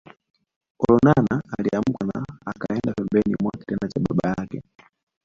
Olonana aliamka na akaenda pembeni mwa kitanda cha baba yake